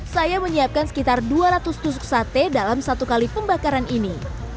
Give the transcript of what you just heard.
saya menyiapkan sekitar dua ratus tusuk sate dalam satu kali pembakaran ini